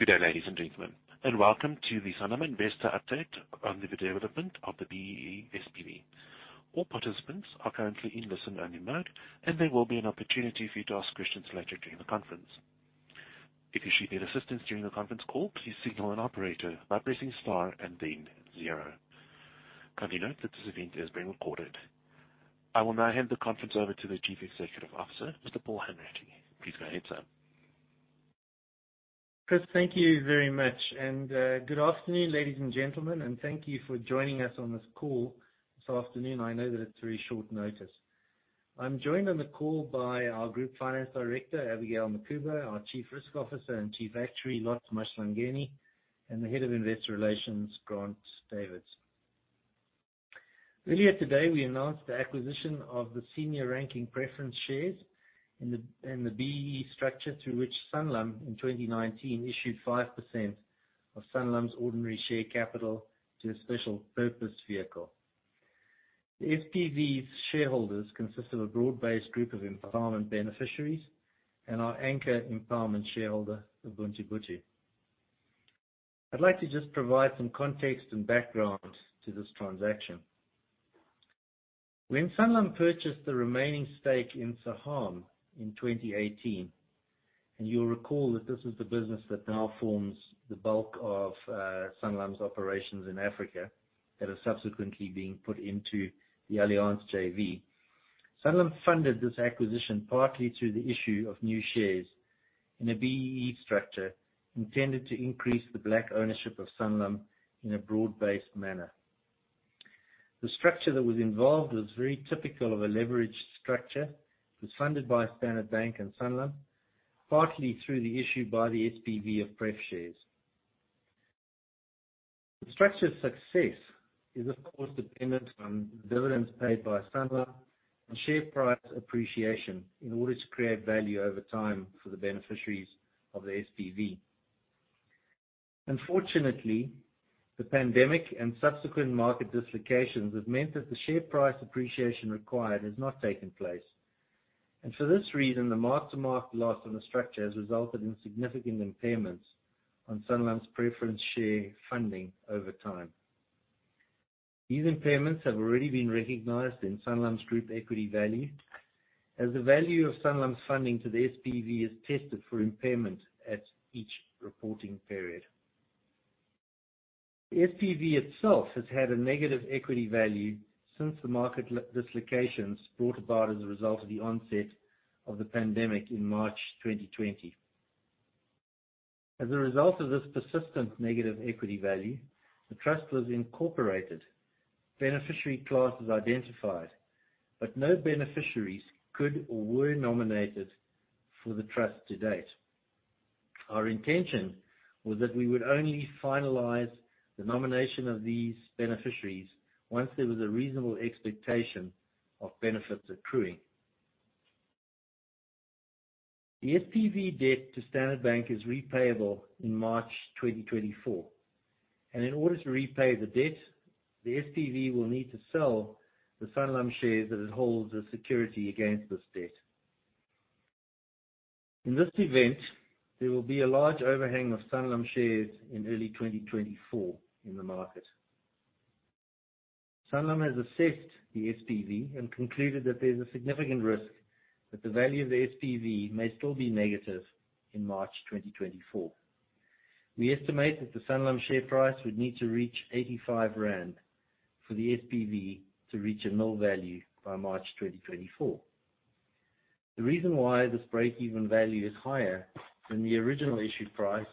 Good day, ladies and gentlemen, welcome to the Sanlam Investor Update on the development of the BEE SPV. All participants are currently in listen-only mode. There will be an opportunity for you to ask questions later during the conference. If you should need assistance during the conference call, please signal an operator by pressing star and then zero. Kindly note that this event is being recorded. I will now hand the conference over to the Chief Executive Officer, Mr. Paul Hanratty. Please go ahead, sir. Chris, thank you very much. Good afternoon, ladies and gentlemen, thank you for joining us on this call this afternoon. I know that it's very short notice. I'm joined on the call by our Group Finance Director, Abigail Mukhuba, our Chief Risk Officer and Chief Actuary, Lot Maswanganyi, and the Head of Investor Relations, Grant Davids. Earlier today, we announced the acquisition of the senior ranking preference shares in the BEE structure through which Sanlam in 2019 issued 5% of Sanlam's ordinary share capital to a special purpose vehicle. The SPV's shareholders consist of a broad-based group of empowerment beneficiaries and our anchor empowerment shareholder, Ubuntu-Botho. I'd like to just provide some context and background to this transaction. When Sanlam purchased the remaining stake in Saham in 2018, you'll recall that this is the business that now forms the bulk of Sanlam's operations in Africa that are subsequently being put into the Allianz JV. Sanlam funded this acquisition partly through the issue of new shares in a BEE structure intended to increase the black ownership of Sanlam in a broad-based manner. The structure that was involved was very typical of a leveraged structure. It was funded by Standard Bank and Sanlam, partly through the issue by the SPV of pref shares. The structure's success is, of course, dependent on dividends paid by Sanlam and share price appreciation in order to create value over time for the beneficiaries of the SPV. Unfortunately, the pandemic and subsequent market dislocations have meant that the share price appreciation required has not taken place. For this reason, the mark-to-market loss on the structure has resulted in significant impairments on Sanlam's preference share funding over time. These impairments have already been recognized in Sanlam's group equity value as the value of Sanlam's funding to the SPV is tested for impairment at each reporting period. The SPV itself has had a negative equity value since the market dislocations brought about as a result of the onset of the pandemic in March 2020. As a result of this persistent negative equity value, the trust was incorporated, beneficiary classes identified, no beneficiaries could or were nominated for the trust to date. Our intention was that we would only finalize the nomination of these beneficiaries once there was a reasonable expectation of benefits accruing. The SPV debt to Standard Bank is repayable in March 2024. In order to repay the debt, the SPV will need to sell the Sanlam shares that it holds as security against this debt. In this event, there will be a large overhang of Sanlam shares in early 2024 in the market. Sanlam has assessed the SPV and concluded that there is a significant risk that the value of the SPV may still be negative in March 2024. We estimate that the Sanlam share price would need to reach 85 rand for the SPV to reach a nil value by March 2024. The reason why this break-even value is higher than the original issue price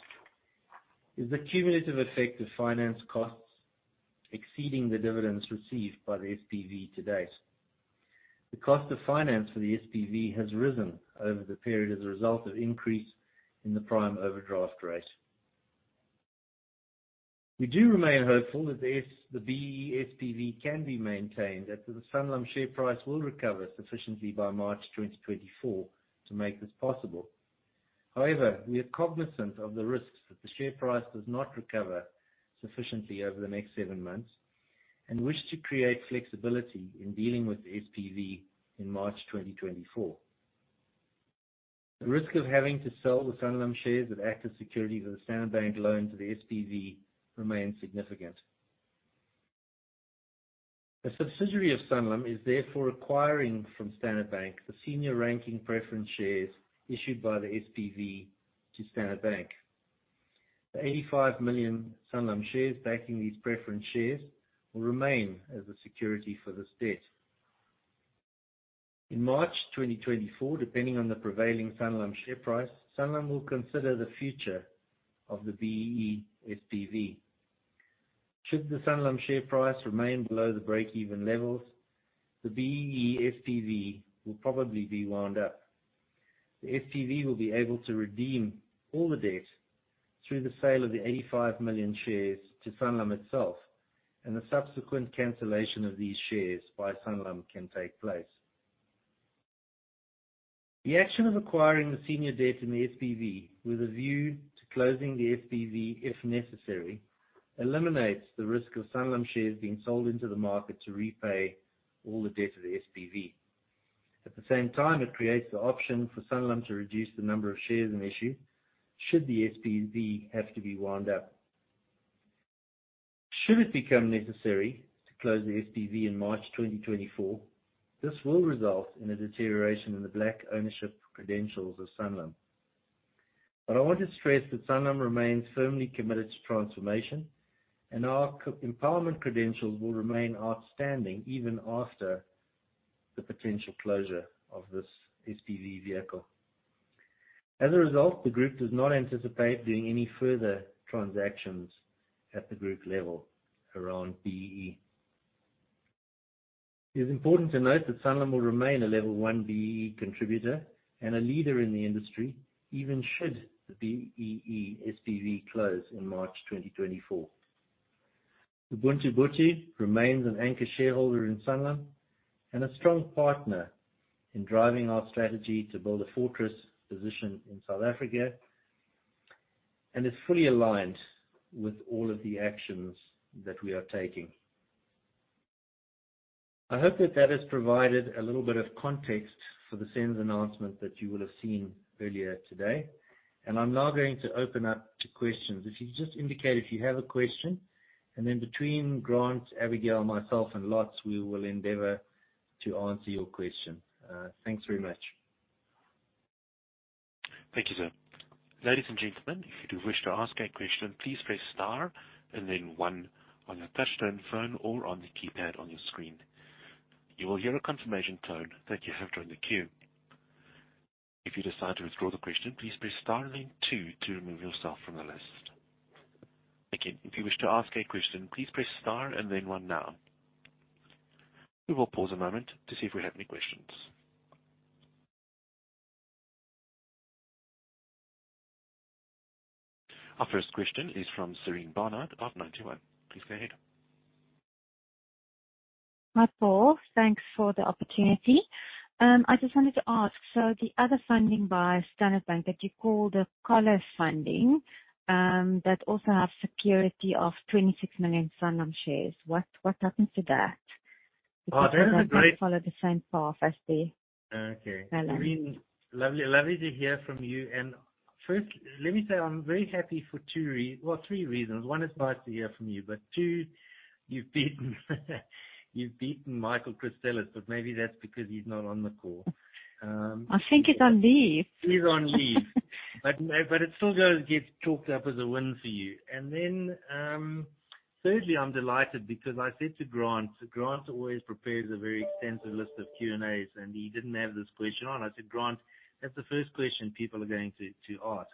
is the cumulative effect of finance costs exceeding the dividends received by the SPV to date. The cost of finance for the SPV has risen over the period as a result of increase in the prime overdraft rate. We do remain hopeful that the BEE SPV can be maintained, that the Sanlam share price will recover sufficiently by March 2024 to make this possible. However, we are cognizant of the risks that the share price does not recover sufficiently over the next seven months and wish to create flexibility in dealing with the SPV in March 2024. The risk of having to sell the Sanlam shares that act as security to the Standard Bank loan to the SPV remains significant. A subsidiary of Sanlam is therefore acquiring from Standard Bank, the senior ranking preference shares issued by the SPV to Standard Bank. The 85 million Sanlam shares backing these preference shares will remain as a security for this debt. In March 2024, depending on the prevailing Sanlam share price, Sanlam will consider the future of the BEE SPV. Should the Sanlam share price remain below the break-even levels, the BEE SPV will probably be wound up. The SPV will be able to redeem all the debt through the sale of the 85 million shares to Sanlam itself, and the subsequent cancellation of these shares by Sanlam can take place. The action of acquiring the senior debt in the SPV with a view to closing the SPV if necessary, eliminates the risk of Sanlam shares being sold into the market to repay all the debt of the SPV. At the same time, it creates the option for Sanlam to reduce the number of shares in issue should the SPV have to be wound up. Should it become necessary to close the SPV in March 2024, this will result in a deterioration in the black ownership credentials of Sanlam. I want to stress that Sanlam remains firmly committed to transformation, Our empowerment credentials will remain outstanding even after the potential closure of this SPV vehicle. As a result, the group does not anticipate doing any further transactions at the group level around BEE. It is important to note that Sanlam will remain a level 1 BEE contributor and a leader in the industry, even should the BEE SPV close in March 2024. Ubuntu-Botho remains an anchor shareholder in Sanlam and a strong partner in driving our strategy to build a fortress position in South Africa, Is fully aligned with all of the actions that we are taking. I hope that has provided a little bit of context for the SENS announcement that you will have seen earlier today. I am now going to open up to questions. If you just indicate if you have a question, then between Grant, Abigail Mukhuba, myself, and Lotz, we will endeavor to answer your question. Thanks very much. Thank you, sir. Ladies and gentlemen, if you do wish to ask a question, please press star and then one on your touchtone phone or on the keypad on your screen. You will hear a confirmation tone that you have joined the queue. If you decide to withdraw the question, please press star and then two to remove yourself from the list. Again, if you wish to ask a question, please press star and then one now. We will pause a moment to see if we have any questions. Our first question is from Sarine Barnard of Ninety One. Please go ahead. Hi, Paul. Thanks for the opportunity. I just wanted to ask, the other funding by Standard Bank that you call the collar funding, that also have security of 26 million Sanlam shares. What happens to that? Oh. Follow the same path. Okay. Sanlam. Serine, lovely to hear from you. First, let me say, I'm very happy for two reasons. Three reasons. One, it's nice to hear from you, two, you've beaten Peter Christelis, maybe that's because he's not on the call. I think he's on leave. He's on leave. It still gets chalked up as a win for you. Thirdly, I'm delighted because I said to Grant always prepares a very extensive list of Q&As. He didn't have this question on. I said, "Grant, that's the first question people are going to ask."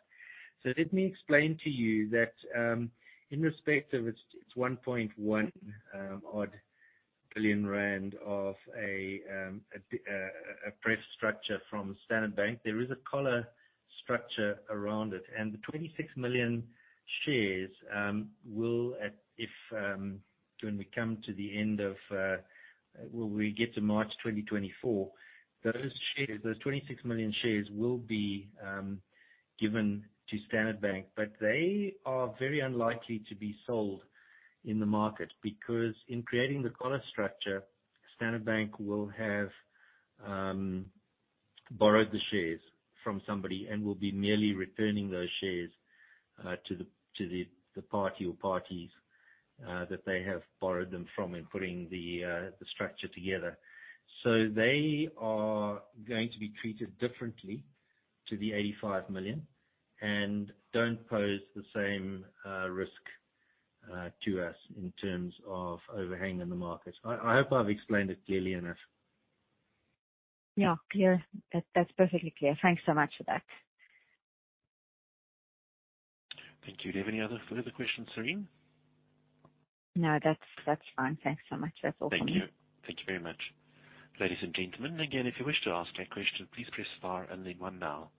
Let me explain to you that in respect of its 1.1 billion rand odd of a press structure from Standard Bank. There is a collar structure around it. The 26 million shares, when we get to March 2024, those 26 million shares will be given to Standard Bank. They are very unlikely to be sold in the market, because in creating the collar structure, Standard Bank will have borrowed the shares from somebody and will be merely returning those shares to the party or parties that they have borrowed them from in putting the structure together. They are going to be treated differently to the 85 million and don't pose the same risk to us in terms of overhang in the market. I hope I've explained it clearly enough. Yeah. That's perfectly clear. Thanks so much for that. Thank you. Do you have any other further questions, Sarine? No, that's fine. Thanks so much. That's all from me. Thank you. Thank you very much. Ladies and gentlemen, again, if you wish to ask a question, please press star and then one now.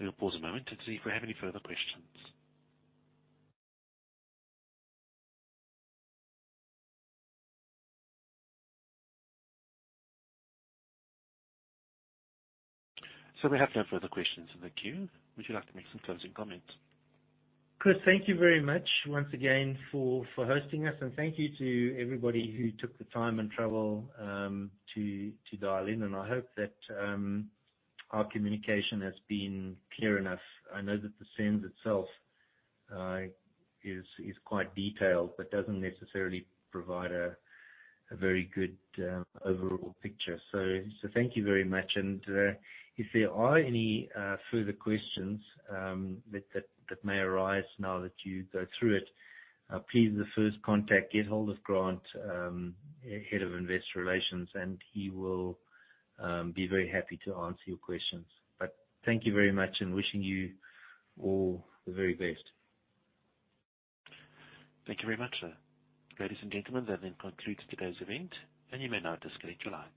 We will pause a moment and see if we have any further questions. We have no further questions in the queue. Would you like to make some closing comments? Chris, thank you very much once again for hosting us. Thank you to everybody who took the time and trouble to dial in. I hope that our communication has been clear enough. I know that the SENS itself is quite detailed, but doesn't necessarily provide a very good overall picture. Thank you very much. If there are any further questions that may arise now that you go through it, please first contact Gethold or Grant, Head of Investor Relations, and he will be very happy to answer your questions. Thank you very much, and wishing you all the very best. Thank you very much, sir. Ladies and gentlemen, that then concludes today's event, and you may now disconnect your lines.